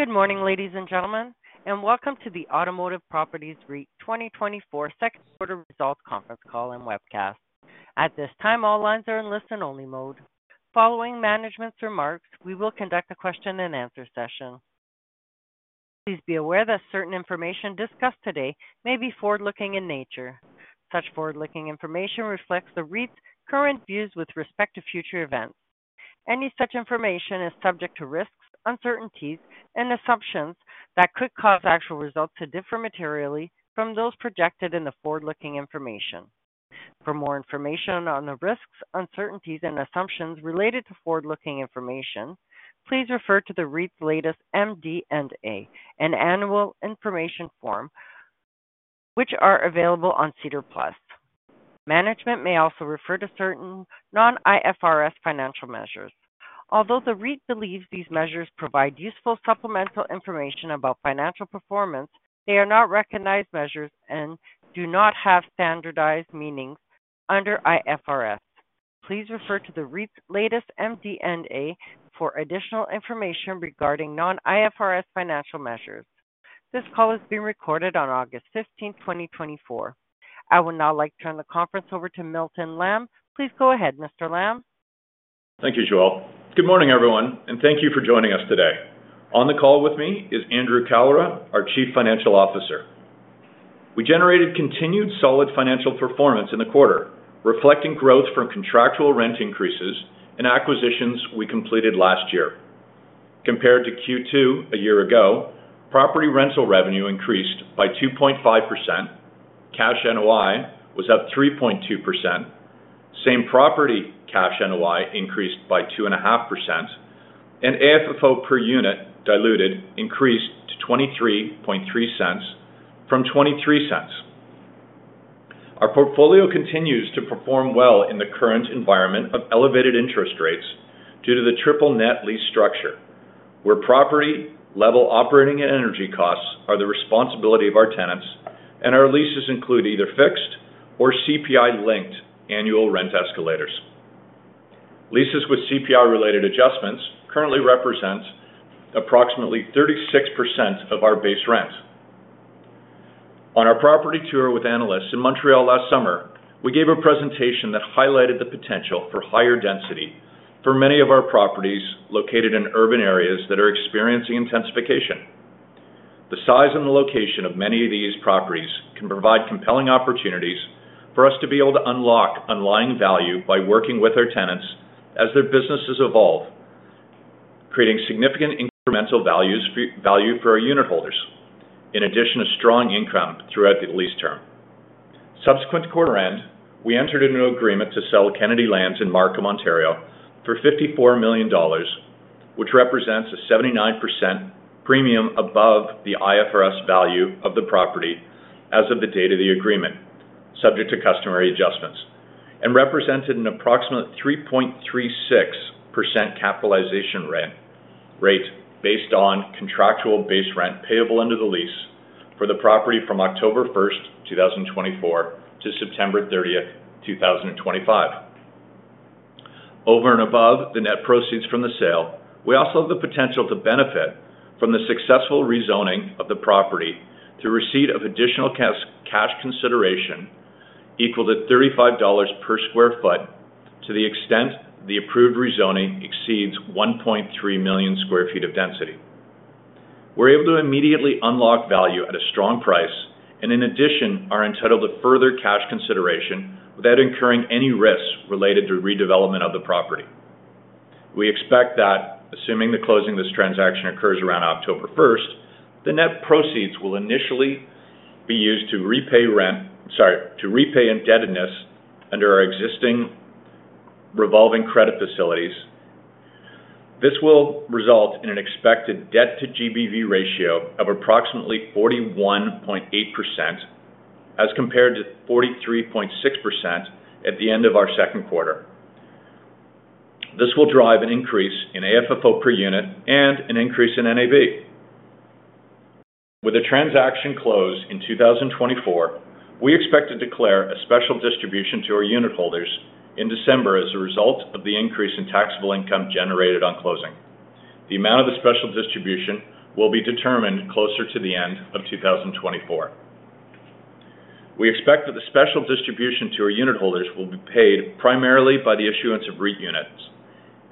Good morning, ladies and gentlemen, and welcome to the Automotive Properties REIT 2024 second quarter results conference call and webcast. At this time, all lines are in listen-only mode. Following management's remarks, we will conduct a question-and-answer session. Please be aware that certain information discussed today may be forward-looking in nature. Such forward-looking information reflects the REIT's current views with respect to future events. Any such information is subject to risks, uncertainties, and assumptions that could cause actual results to differ materially from those projected in the forward-looking information. For more information on the risks, uncertainties, and assumptions related to forward-looking information, please refer to the REIT's latest MD&A and Annual Information Form, which are available on SEDAR+. Management may also refer to certain non-IFRS financial measures. Although the REIT believes these measures provide useful supplemental information about financial performance, they are not recognized measures and do not have standardized meanings under IFRS. Please refer to the REIT's latest MD&A for additional information regarding non-IFRS financial measures. This call is being recorded on August 15, 2024. I would now like to turn the conference over to Milton Lamb. Please go ahead, Mr. Lamb. Thank you, Joelle. Good morning, everyone, and thank you for joining us today. On the call with me is Andrew Kalra, our Chief Financial Officer. We generated continued solid financial performance in the quarter, reflecting growth from contractual rent increases and acquisitions we completed last year. Compared to Q2 a year ago, property rental revenue increased by 2.5%, cash NOI was up 3.2%, same property cash NOI increased by 2.5%, and AFFO per unit diluted increased to 0.233 from 0.23. Our portfolio continues to perform well in the current environment of elevated interest rates due to the triple net lease structure, where property-level operating and energy costs are the responsibility of our tenants, and our leases include either fixed or CPI-linked annual rent escalators. Leases with CPI-related adjustments currently represent approximately 36% of our base rent. On our property tour with analysts in Montreal last summer, we gave a presentation that highlighted the potential for higher density for many of our properties located in urban areas that are experiencing intensification. The size and the location of many of these properties can provide compelling opportunities for us to be able to unlock underlying value by working with our tenants as their businesses evolve, creating significant incremental values, value for our unitholders, in addition to strong income throughout the lease term. Subsequent to quarter end, we entered into an agreement to sell Kennedy Lands in Markham, Ontario, for 54 million dollars, which represents a 79% premium above the IFRS value of the property as of the date of the agreement, subject to customary adjustments, and represented an approximate 3.36% capitalization rate based on contractual base rent payable under the lease for the property from October 1st, 2024 to September 30th, 2025. Over and above the net proceeds from the sale, we also have the potential to benefit from the successful rezoning of the property to receipt of additional cash, cash consideration equal to 35 dollars per sq ft to the extent the approved rezoning exceeds 1.3 million sq ft of density. We're able to immediately unlock value at a strong price, and in addition, are entitled to further cash consideration without incurring any risks related to redevelopment of the property. We expect that, assuming the closing of this transaction occurs around October 1st, the net proceeds will initially be used to repay rent. Sorry, to repay indebtedness under our existing revolving credit facilities. This will result in an expected debt-to-GBV ratio of approximately 41.8%, as compared to 43.6% at the end of our second quarter. This will drive an increase in AFFO per unit and an increase in NAV. With a transaction closed in 2024, we expect to declare a special distribution to our unitholders in December as a result of the increase in taxable income generated on closing. The amount of the special distribution will be determined closer to the end of 2024. We expect that the special distribution to our unitholders will be paid primarily by the issuance of REIT units.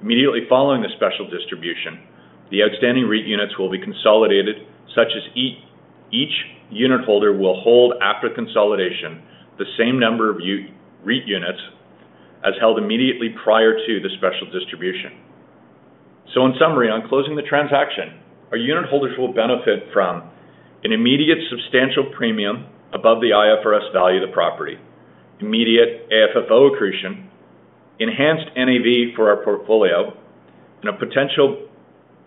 Immediately following the special distribution, the outstanding REIT units will be consolidated so that each unitholder will hold, after consolidation, the same number of REIT units as held immediately prior to the special distribution. So in summary, on closing the transaction, our unitholders will benefit from an immediate substantial premium above the IFRS value of the property, immediate AFFO accretion, enhanced NAV for our portfolio, and a potential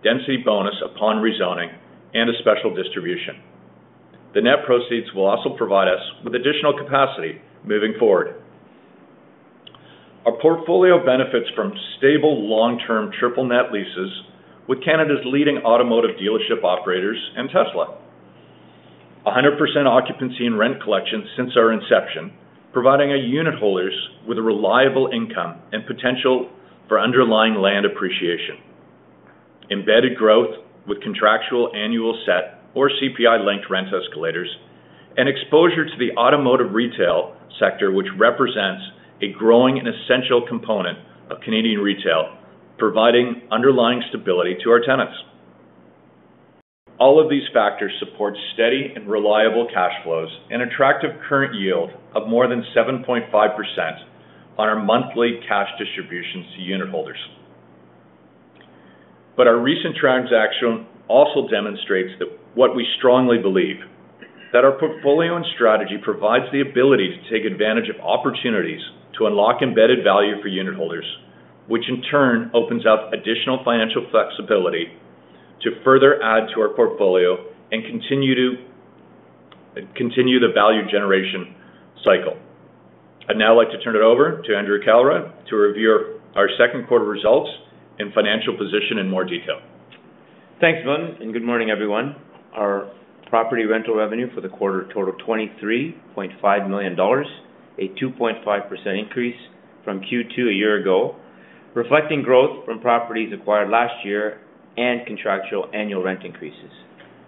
density bonus upon rezoning and a special distribution. The net proceeds will also provide us with additional capacity moving forward. Our portfolio benefits from stable, long-term, triple-net leases with Canada's leading automotive dealership operators and Tesla. 100% occupancy and rent collection since our inception, providing our unitholders with a reliable income and potential for underlying land appreciation. Embedded growth with contractual annual set or CPI-linked rent escalators, and exposure to the automotive retail sector, which represents a growing and essential component of Canadian retail, providing underlying stability to our tenants. All of these factors support steady and reliable cash flows and attractive current yield of more than 7.5% on our monthly cash distributions to unitholders. But our recent transaction also demonstrates that what we strongly believe, that our portfolio and strategy provides the ability to take advantage of opportunities to unlock embedded value for unitholders, which in turn opens up additional financial flexibility to further add to our portfolio and continue to the value generation cycle. I'd now like to turn it over to Andrew Kalra to review our second quarter results and financial position in more detail. Thanks, Milton, and good morning, everyone. Our property rental revenue for the quarter totaled 23.5 million dollars, a 2.5% increase from Q2 a year ago, reflecting growth from properties acquired last year and contractual annual rent increases.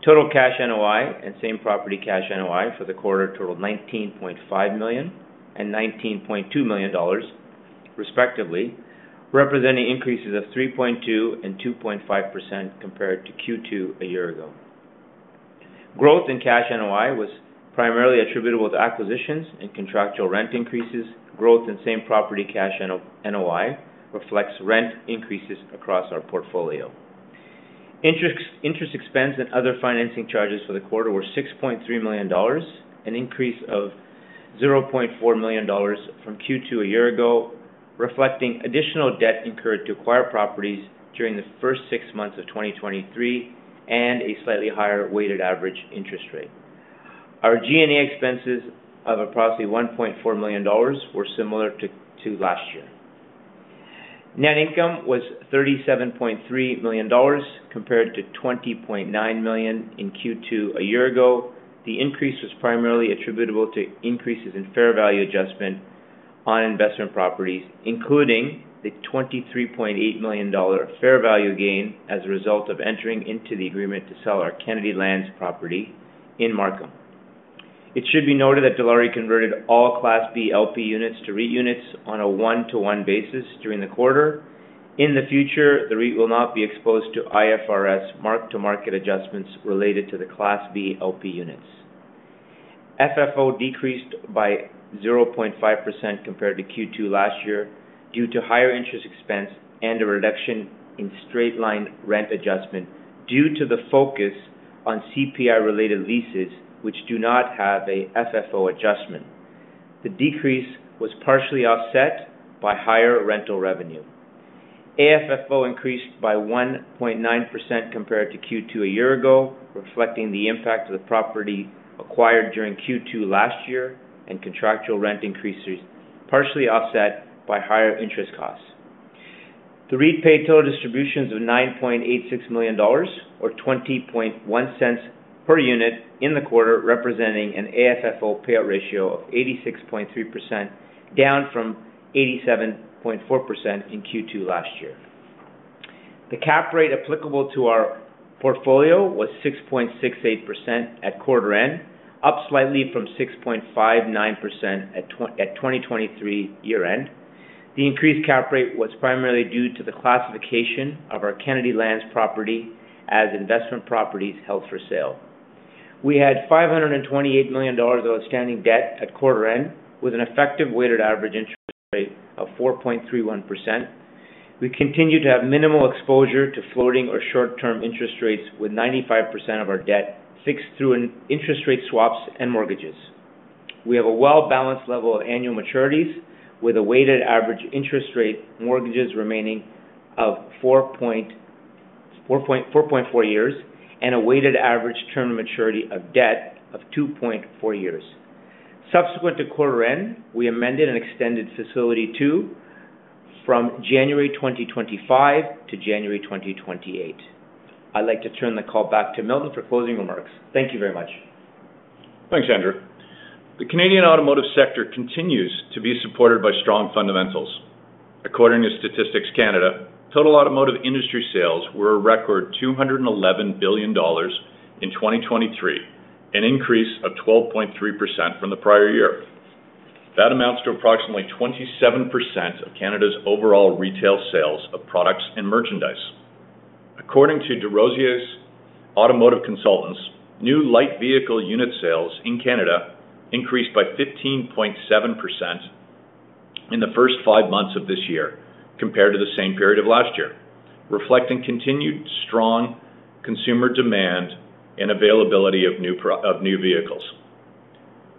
Total cash NOI and same-property cash NOI for the quarter totaled 19.5 million and 19.2 million dollars, respectively, representing increases of 3.2% and 2.5% compared to Q2 a year ago. Growth in cash NOI was primarily attributable to acquisitions and contractual rent increases. Growth in same-property cash NOI reflects rent increases across our portfolio. Interest expense and other financing charges for the quarter were 6.3 million dollars, an increase of 0.4 million dollars from Q2 a year ago, reflecting additional debt incurred to acquire properties during the first six months of 2023, and a slightly higher weighted average interest rate. Our G&A expenses of approximately 1.4 million dollars were similar to last year. Net income was 37.3 million dollars, compared to 20.9 million in Q2 a year ago. The increase was primarily attributable to increases in fair value adjustment on investment properties, including the 23.8 million dollar fair value gain as a result of entering into the agreement to sell our Kennedy Lands property in Markham. It should be noted that Dilawri converted all Class B LP units to REIT units on a one-to-one basis during the quarter. In the future, the REIT will not be exposed to IFRS mark-to-market adjustments related to the Class B LP units. FFO decreased by 0.5% compared to Q2 last year due to higher interest expense and a reduction in straight-line rent adjustment due to the focus on CPI-related leases, which do not have a FFO adjustment. The decrease was partially offset by higher rental revenue. AFFO increased by 1.9% compared to Q2 a year ago, reflecting the impact of the property acquired during Q2 last year and contractual rent increases, partially offset by higher interest costs. The REIT paid total distributions of 9.86 million dollars, or 0.201 per unit in the quarter, representing an AFFO payout ratio of 86.3%, down from 87.4% in Q2 last year. The cap rate applicable to our portfolio was 6.68% at quarter end, up slightly from 6.59% at 2023 year end. The increased cap rate was primarily due to the classification of our Kennedy Lands property as investment properties held for sale. We had 528 million dollars of outstanding debt at quarter end, with an effective weighted average interest rate of 4.31%. We continue to have minimal exposure to floating or short-term interest rates, with 95% of our debt fixed through interest rate swaps and mortgages. We have a well-balanced level of annual maturities with a weighted average interest rate mortgages remaining of 4.4 years, and a weighted average term maturity of debt of 2.4 years. Subsequent to quarter end, we amended and extended Facility 2 from January 2025 to January 2028. I'd like to turn the call back to Milton for closing remarks. Thank you very much. Thanks, Andrew. The Canadian automotive sector continues to be supported by strong fundamentals. According to Statistics Canada, total automotive industry sales were a record 211 billion dollars in 2023, an increase of 12.3% from the prior year. That amounts to approximately 27% of Canada's overall retail sales of products and merchandise. According to DesRosiers Automotive Consultants, new light vehicle unit sales in Canada increased by 15.7% in the first five months of this year compared to the same period of last year, reflecting continued strong consumer demand and availability of new vehicles.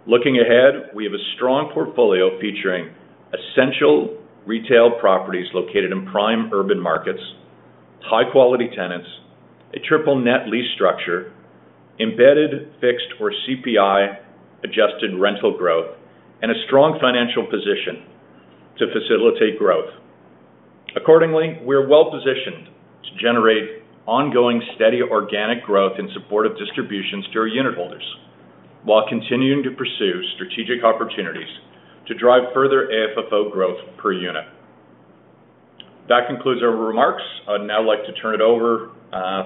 Looking ahead, we have a strong portfolio featuring essential retail properties located in prime urban markets, high-quality tenants, a triple net lease structure, embedded, fixed or CPI-adjusted rental growth, and a strong financial position to facilitate growth. Accordingly, we're well-positioned to generate ongoing, steady organic growth in support of distributions to our unit holders, while continuing to pursue strategic opportunities to drive further AFFO growth per unit. That concludes our remarks. I'd now like to turn it over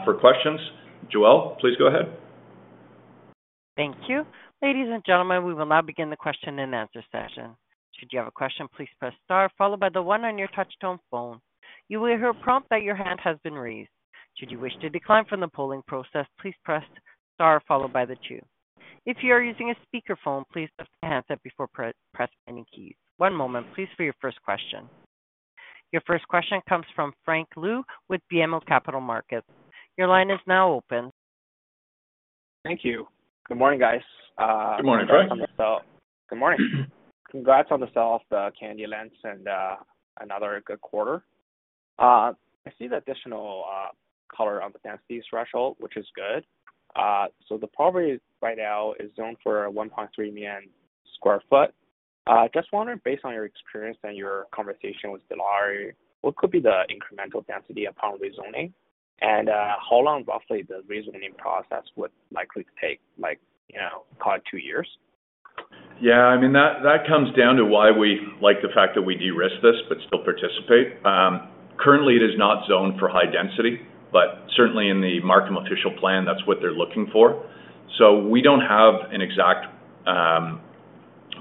for questions. Joelle, please go ahead. Thank you. Ladies and gentlemen, we will now begin the question-and-answer session. Should you have a question, please press star followed by the one on your touch-tone phone. You will hear a prompt that your hand has been raised. Should you wish to decline from the polling process, please press star followed by the two. If you are using a speakerphone, please lift the handset before pressing any keys. One moment, please, for your first question. Your first question comes from Frank Liu with BMO Capital Markets. Your line is now open. Thank you. Good morning, guys. Good morning, Frank. Good morning. Congrats on the sale of the Kennedy Lands and, another good quarter. I see the additional, color on the density threshold, which is good. So the property right now is zoned for 1.3 million sq ft. Just wondering, based on your experience and your conversation with Dilawri, what could be the incremental density upon rezoning? And, how long roughly the rezoning process would likely take, like, you know, probably two years? Yeah, I mean, that, that comes down to why we like the fact that we de-risk this but still participate. Currently, it is not zoned for high density, but certainly in the Markham Official Plan, that's what they're looking for. So we don't have an exact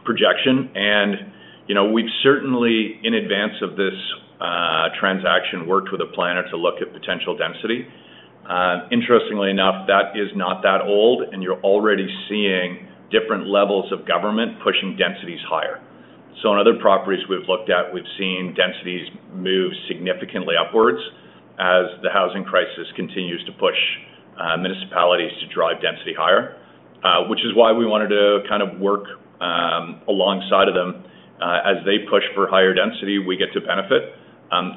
projection. And, you know, we've certainly, in advance of this transaction, worked with a planner to look at potential density. Interestingly enough, that is not that old, and you're already seeing different levels of government pushing densities higher. So in other properties we've looked at, we've seen densities move significantly upwards as the housing crisis continues to push municipalities to drive density higher. Which is why we wanted to kind of work alongside of them. As they push for higher density, we get to benefit.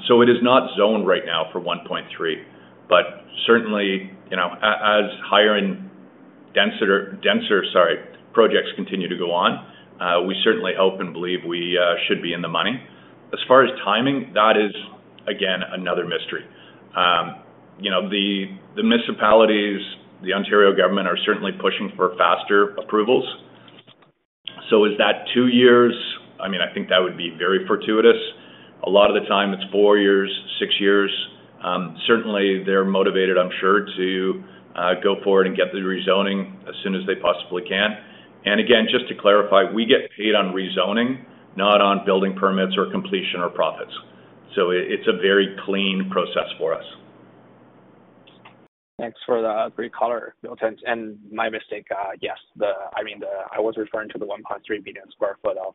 So it is not zoned right now for 1.3 million sq ft, but certainly, you know, as higher and denser, sorry, projects continue to go on, we certainly hope and believe we should be in the money. As far as timing, that is, again, another mystery. You know, the municipalities, the Ontario government, are certainly pushing for faster approvals. So is that two years? I mean, I think that would be very fortuitous. A lot of the time it's four years, six years. Certainly, they're motivated, I'm sure, to go forward and get the rezoning as soon as they possibly can. And again, just to clarify, we get paid on rezoning, not on building permits or completion or profits. So it's a very clean process for us. Thanks for the great color, Milton, thanks. And my mistake, yes, the—I mean, the, I was referring to the 1.3 million sq ft of,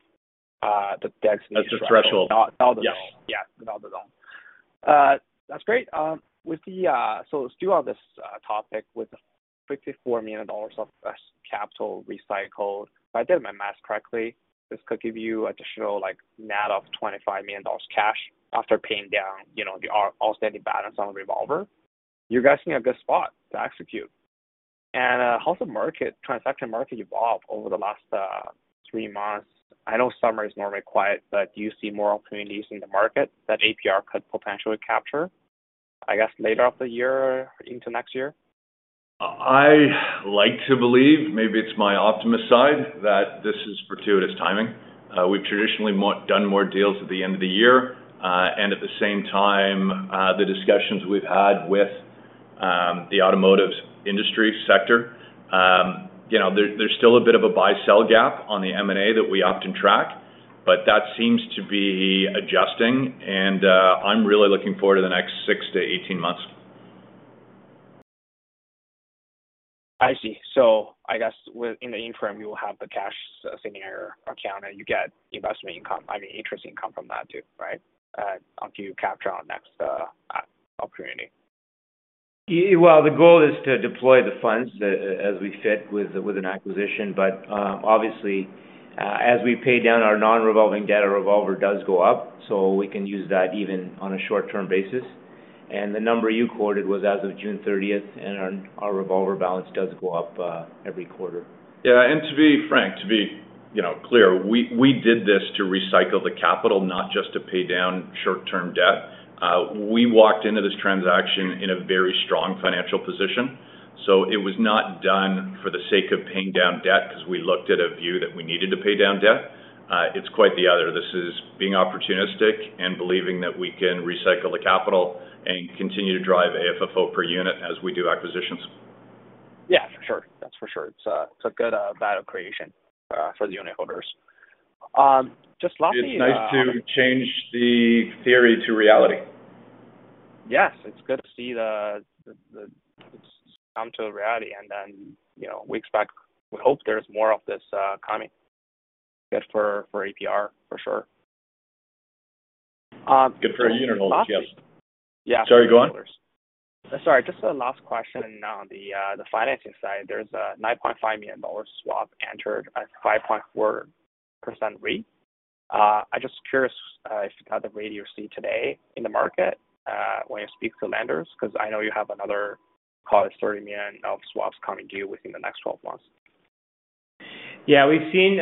the density- That's the threshold. Yeah. Without the zone. Yes. Yeah, without the zone. That's great. With the... So still on this topic, with 54 million dollars of capital recycled, if I did my math correctly, this could give you additional like net of 25 million dollars cash after paying down, you know, the outstanding balance on the revolver. You guys are in a good spot to execute. And, how's the market, transaction market, evolved over the last three months? I know summer is normally quiet, but do you see more opportunities in the market that APR could potentially capture, I guess, later of the year into next year? I like to believe, maybe it's my optimist side, that this is fortuitous timing. We've traditionally done more deals at the end of the year. And at the same time, the discussions we've had with the automotive industry sector, you know, there's still a bit of a buy-sell gap on the M&A that we often track, but that seems to be adjusting, and I'm really looking forward to the next six to 18 months. I see. So I guess within the interim, you will have the cash sitting in your account, and you get investment income, I mean, interest income from that, too, right? Until you capture on next opportunity. Well, the goal is to deploy the funds as we fit with an acquisition. But, obviously, as we pay down our non-revolving debt, our revolver does go up, so we can use that even on a short-term basis. And the number you quoted was as of June 30, and our revolver balance does go up every quarter. Yeah, and to be frank, to be, you know, clear, we did this to recycle the capital, not just to pay down short-term debt. We walked into this transaction in a very strong financial position, so it was not done for the sake of paying down debt, because we looked at a view that we needed to pay down debt. It's quite the other. This is being opportunistic and believing that we can recycle the capital and continue to drive AFFO per unit as we do acquisitions. Yeah, for sure. That's for sure. It's a, it's a good value creation for the unit holders. Just lastly, It's nice to change the theory to reality. Yes, it's good to see the, it's come to a reality, and then, you know, we expect, we hope there's more of this, coming. Good for APR, for sure. Good for unit holders, yes. Yeah. Sorry, go on. Sorry, just the last question on the, the financing side. There's a 9.5 million dollar swap entered at 5.4% rate. I'm just curious, if at the rate you see today in the market, when you speak to lenders, because I know you have another 30 million of swaps coming due within the next 12 months. Yeah, we've seen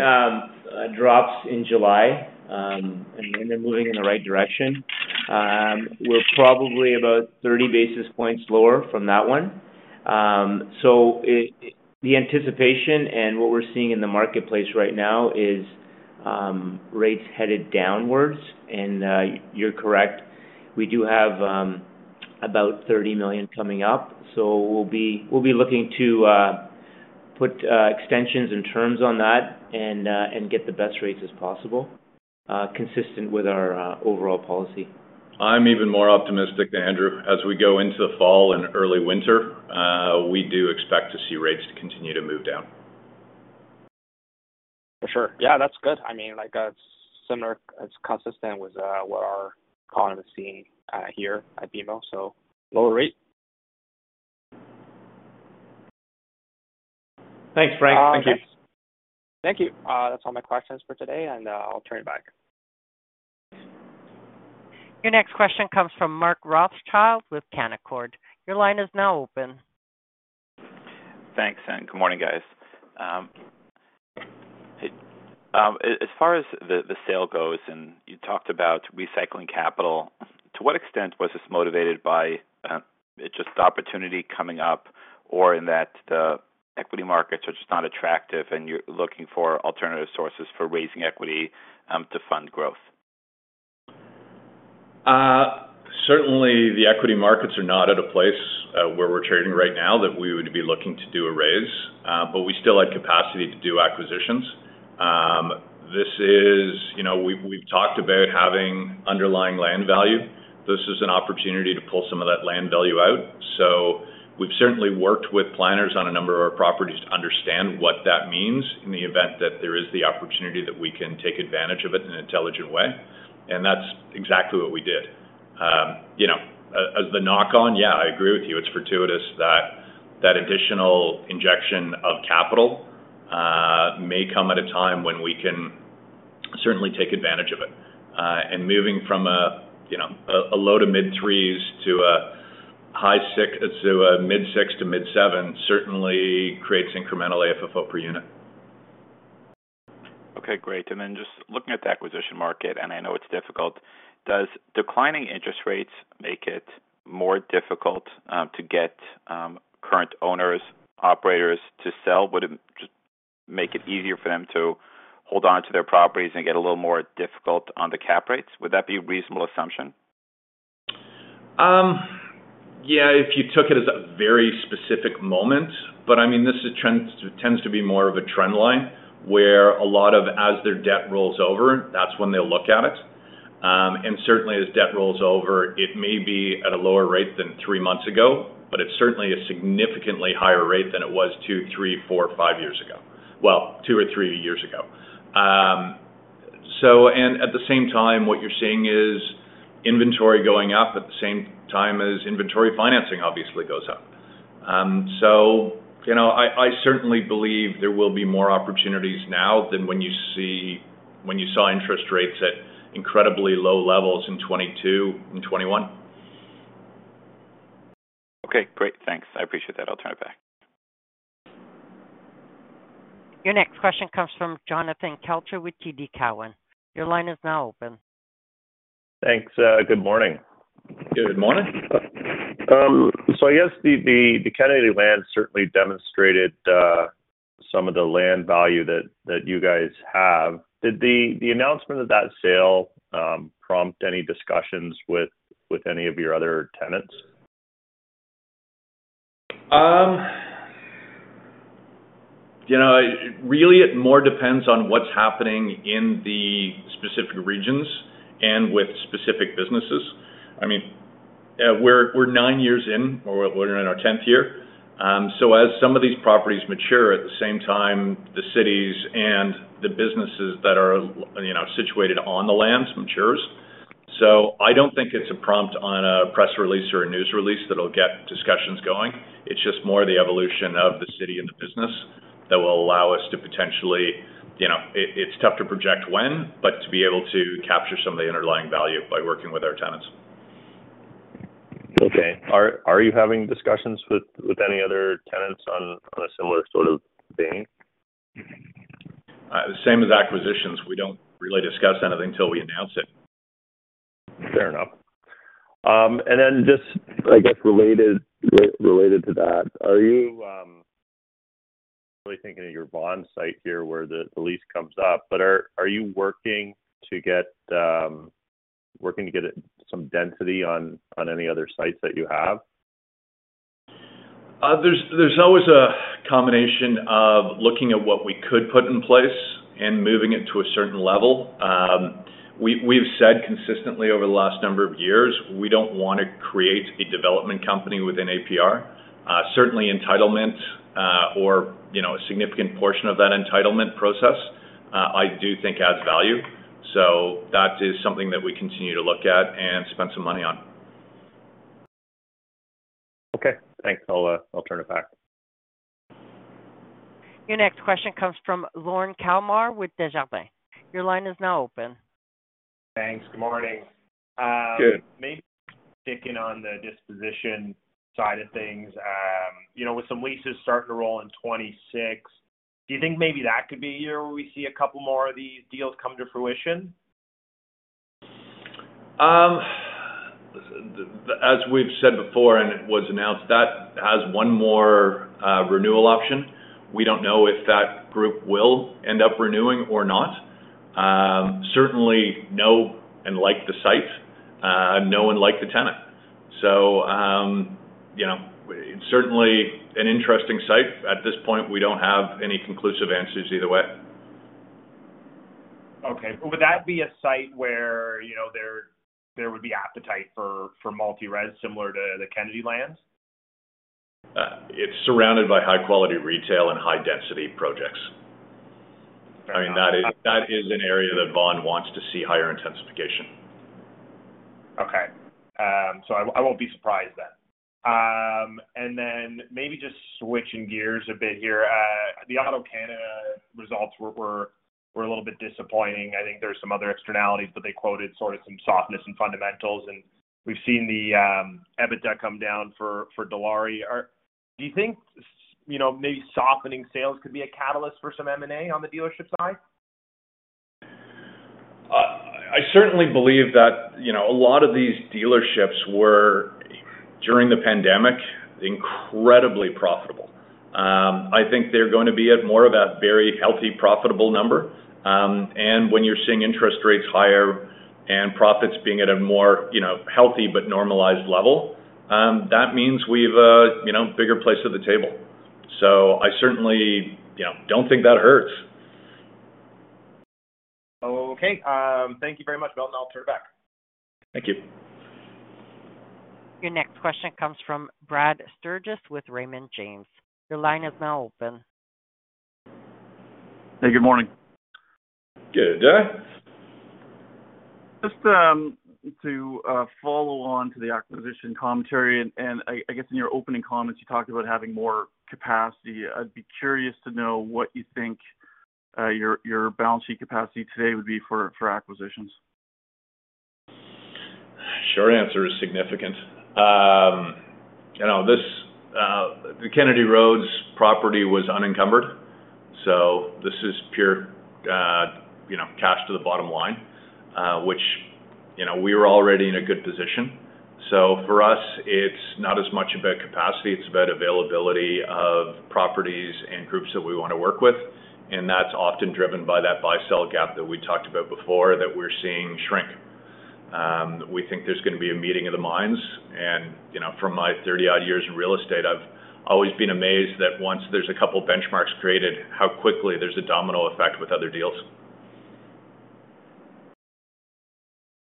drops in July, and they're moving in the right direction. We're probably about 30 basis points lower from that one. So the anticipation and what we're seeing in the marketplace right now is rates headed downwards. And you're correct, we do have about 30 million coming up, so we'll be looking to put extensions and terms on that and get the best rates as possible, consistent with our overall policy. I'm even more optimistic than Andrew. As we go into the fall and early winter, we do expect to see rates continue to move down. For sure. Yeah, that's good. I mean, like, that's similar - that's consistent with what our economy is seeing here at BMO, so lower rate. Thanks, Frank. Thank you. Thank you. That's all my questions for today, and I'll turn it back. Your next question comes from Mark Rothschild with Canaccord. Your line is now open. Thanks, and good morning, guys. As far as the sale goes, and you talked about recycling capital, to what extent was this motivated by just the opportunity coming up or in that the equity markets are just not attractive, and you're looking for alternative sources for raising equity to fund growth? Certainly, the equity markets are not at a place where we're trading right now that we would be looking to do a raise, but we still have capacity to do acquisitions. You know, we've talked about having underlying land value. This is an opportunity to pull some of that land value out. So we've certainly worked with planners on a number of our properties to understand what that means in the event that there is the opportunity that we can take advantage of it in an intelligent way, and that's exactly what we did. You know, as the knock on, yeah, I agree with you. It's fortuitous that additional injection of capital may come at a time when we can certainly take advantage of it. Moving from a low to mid-threes, you know, to high-sixs to mid-sixs to mid-sevens certainly creates incremental AFFO per unit. Okay, great. And then just looking at the acquisition market, and I know it's difficult, does declining interest rates make it more difficult, to get, current owners, operators to sell? Would it just make it easier for them to hold on to their properties and get a little more difficult on the cap rates? Would that be a reasonable assumption? Yeah, if you took it as a very specific moment, but, I mean, this is a trend, tends to be more of a trend line, where a lot of as their debt rolls over, that's when they'll look at it. And certainly, as debt rolls over, it may be at a lower rate than three months ago, but it's certainly a significantly higher rate than it was two, three, four, five years ago. Well, two or three years ago. So, and at the same time, what you're seeing is inventory going up at the same time as inventory financing obviously goes up. So, you know, I certainly believe there will be more opportunities now than when you saw interest rates at incredibly low levels in 2022 and 2021. Okay, great. Thanks. I appreciate that. I'll turn it back. Your next question comes from Jonathan Kelcher with TD Cowen. Your line is now open. Thanks. Good morning. Good morning. So I guess the Kennedy Lands certainly demonstrated some of the land value that you guys have. Did the announcement of that sale prompt any discussions with any of your other tenants? You know, really, it more depends on what's happening in the specific regions and with specific businesses. I mean, we're nine years in, or we're in our 10th year. So as some of these properties mature, at the same time, the cities and the businesses that are, you know, situated on the lands matures. So I don't think it's a prompt on a press release or a news release that'll get discussions going. It's just more the evolution of the city and the business that will allow us to potentially, you know... It's tough to project when, but to be able to capture some of the underlying value by working with our tenants. Okay. Are you having discussions with any other tenants on a similar sort of thing? The same as acquisitions. We don't really discuss anything till we announce it. Fair enough. And then just, I guess, related to that, are you really thinking of your Vaughan site here where the lease comes up, but are you working to get some density on any other sites that you have? There's always a combination of looking at what we could put in place and moving it to a certain level. We've said consistently over the last number of years, we don't want to create a development company within APR. Certainly entitlement, or, you know, a significant portion of that entitlement process, I do think adds value. So that is something that we continue to look at and spend some money on. Okay, thanks. I'll, I'll turn it back. Your next question comes from Lorne Kalmar with Desjardins. Your line is now open. Thanks. Good morning. Good. Maybe sticking on the disposition side of things, you know, with some leases starting to roll in 2026, do you think maybe that could be a year where we see a couple more of these deals come to fruition? As we've said before, and it was announced, that has one more renewal option. We don't know if that group will end up renewing or not. Certainly know and like the site, and know and like the tenant. So, you know, certainly an interesting site. At this point, we don't have any conclusive answers either way. Okay. But would that be a site where, you know, there would be appetite for multi-res, similar to the Kennedy Lands? It's surrounded by high quality retail and high density projects. I mean, that is an area that Vaughan wants to see higher intensification. Okay. So I won't be surprised then. And then maybe just switching gears a bit here. The AutoCanada results were a little bit disappointing. I think there's some other externalities, but they quoted sort of some softness in fundamentals, and we've seen the EBITDA come down for Dilawri. Do you think, you know, maybe softening sales could be a catalyst for some M&A on the dealership side? I certainly believe that, you know, a lot of these dealerships were, during the pandemic, incredibly profitable. I think they're going to be at more of that very healthy, profitable number. And when you're seeing interest rates higher and profits being at a more, you know, healthy but normalized level, that means we've a, you know, bigger place at the table. So I certainly, you know, don't think that hurts. Okay. Thank you very much, Milton. I'll turn it back. Thank you. Your next question comes from Brad Sturges with Raymond James. Your line is now open. Hey, good morning. Good day. Just to follow on to the acquisition commentary, and I guess in your opening comments, you talked about having more capacity. I'd be curious to know what you think your balance sheet capacity today would be for acquisitions? Short answer is significant. You know, this, the Kennedy Lands property was unencumbered, so this is pure, you know, cash to the bottom line, which, you know, we were already in a good position. So for us, it's not as much about capacity, it's about availability of properties and groups that we want to work with, and that's often driven by that buy-sell gap that we talked about before, that we're seeing shrink. We think there's going to be a meeting of the minds, and, you know, from my 30-odd years in real estate, I've always been amazed that once there's a couple benchmarks created, how quickly there's a domino effect with other deals.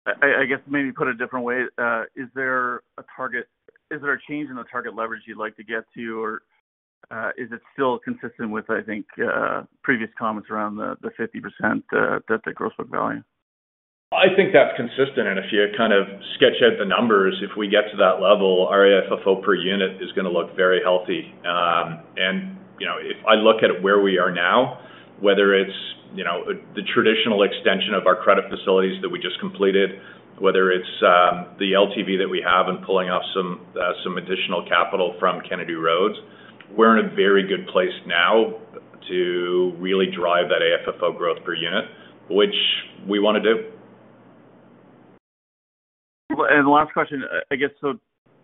I guess maybe put a different way, is there a target? Is there a change in the target leverage you'd like to get to, or is it still consistent with, I think, previous comments around the 50% debt to gross book value? I think that's consistent, and if you kind of sketch out the numbers, if we get to that level, our AFFO per unit is going to look very healthy. And, you know, if I look at where we are now, whether it's, you know, the traditional extension of our credit facilities that we just completed, whether it's, the LTV that we have in pulling off some, some additional capital from Kennedy Lands, we're in a very good place now to really drive that AFFO growth per unit, which we want to do. Last question. I guess, so,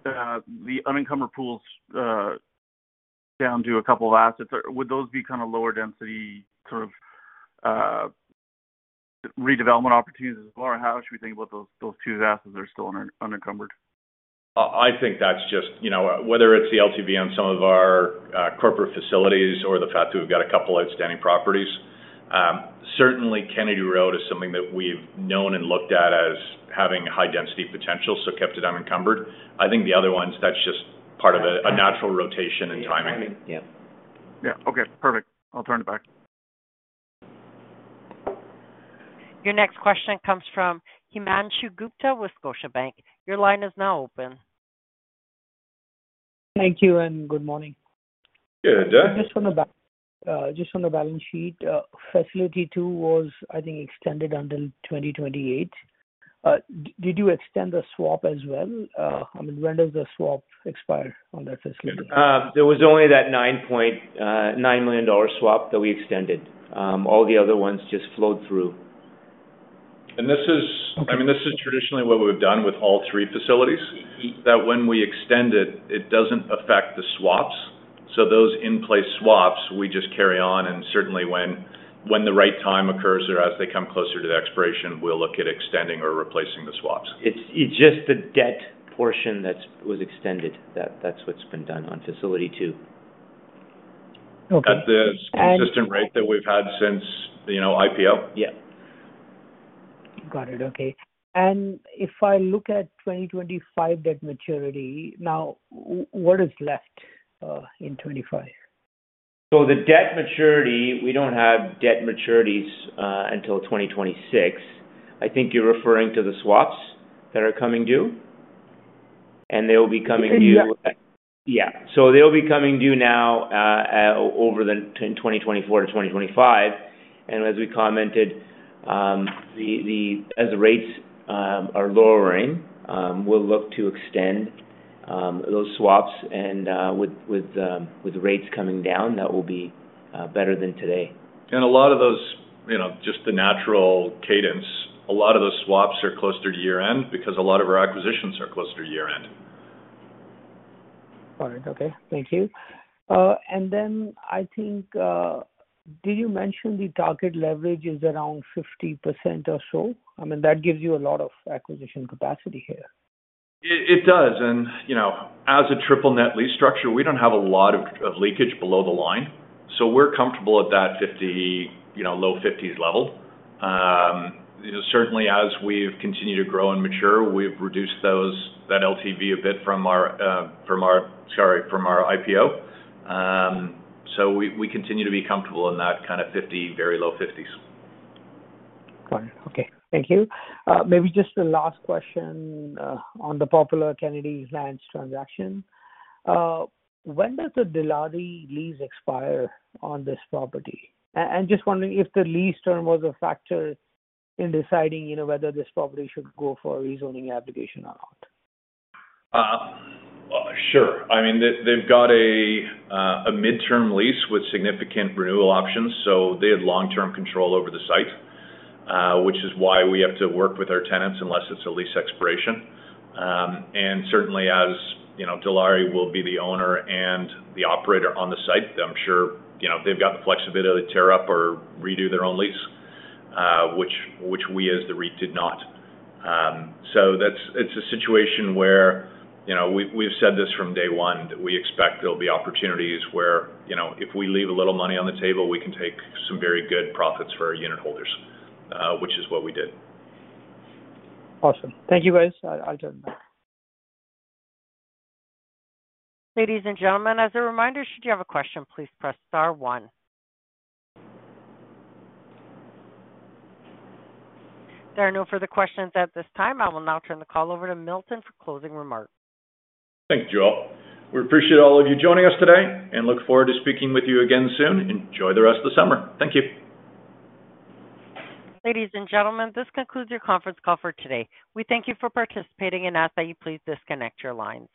the unencumbered pools down to a couple of assets, would those be kind of lower density, sort of, redevelopment opportunities as well, or how should we think about those, those two assets that are still unencumbered? I think that's just, you know, whether it's the LTV on some of our corporate facilities or the fact that we've got a couple outstanding properties. Certainly, Kennedy Lands is something that we've known and looked at as having high density potential, so kept it unencumbered. I think the other ones, that's just part of a natural rotation and timing. Yeah. Okay, perfect. I'll turn it back. Your next question comes from Himanshu Gupta with Scotiabank. Your line is now open. Thank you, and good morning. Good day. Just on the balance sheet, Facility 2 was, I think, extended until 2028. Did you extend the swap as well? I mean, when does the swap expire on that facility? There was only that 9.9 million dollar swap that we extended. All the other ones just flowed through. And this is- Okay. I mean, this is traditionally what we've done with all three facilities. That when we extend it, it doesn't affect the swaps. So those in-place swaps, we just carry on, and certainly when the right time occurs or as they come closer to the expiration, we'll look at extending or replacing the swaps. It's just the debt portion that's was extended. That's what's been done on Facility 2. Okay, and- At the consistent rate that we've had since, you know, IPO. Yeah. Got it. Okay. And if I look at 2025 debt maturity, now what is left in 2025? So the debt maturity, we don't have debt maturities until 2026. I think you're referring to the swaps that are coming due? And they will be coming due. Yeah, so they'll be coming due now, over the 2024-2025. And as we commented, as the rates are lowering, we'll look to extend those swaps and with rates coming down, that will be better than today. A lot of those, you know, just the natural cadence. A lot of those swaps are closer to year-end because a lot of our acquisitions are closer to year-end. All right. Okay, thank you. And then I think, did you mention the target leverage is around 50% or so? I mean, that gives you a lot of acquisition capacity here. It does. You know, as a triple net lease structure, we don't have a lot of leakage below the line, so we're comfortable at that 50%, you know, low 50s level. You know, certainly as we've continued to grow and mature, we've reduced that LTV a bit from our IPO. So we continue to be comfortable in that kind of 50%, very low 50s. Got it. Okay, thank you. Maybe just a last question on the popular Kennedy Lands transaction. When does the Dilawri lease expire on this property? And just wondering if the lease term was a factor in deciding, you know, whether this property should go for a rezoning application or not. Sure. I mean, they've got a midterm lease with significant renewal options, so they had long-term control over the site, which is why we have to work with our tenants, unless it's a lease expiration. And certainly, as you know, Dilawri will be the owner and the operator on the site, I'm sure, you know, they've got the flexibility to tear up or redo their own lease, which we as the REIT did not. So that's. It's a situation where, you know, we've said this from day one, that we expect there'll be opportunities where, you know, if we leave a little money on the table, we can take some very good profits for our unitholders, which is what we did. Awesome. Thank you, guys. I'll turn. Ladies and gentlemen, as a reminder, should you have a question, please press star one. There are no further questions at this time. I will now turn the call over to Milton for closing remarks. Thank you, all. We appreciate all of you joining us today, and look forward to speaking with you again soon. Enjoy the rest of the summer. Thank you. Ladies and gentlemen, this concludes your conference call for today. We thank you for participating and ask that you please disconnect your lines.